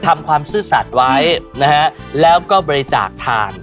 ความซื่อสัตว์ไว้นะฮะแล้วก็บริจาคทาน